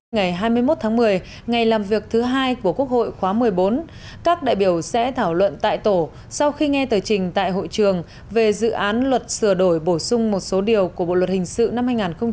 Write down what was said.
ngày hai mươi một tháng một mươi ngày làm việc thứ hai của quốc hội khóa một mươi bốn các đại biểu sẽ thảo luận tại tổ sau khi nghe tờ trình tại hội trường về dự án luật sửa đổi bổ sung một số điều của bộ luật hình sự năm hai nghìn một mươi năm